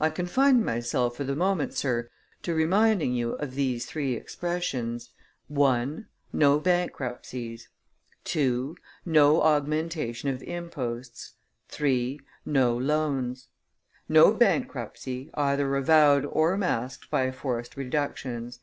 I confine myself for the moment, Sir, to reminding you of these three expressions: 1. No bankruptcies; 2. No augmentation of imposts; 3. No loans. No bankruptcy, either avowed or masked by forced reductions.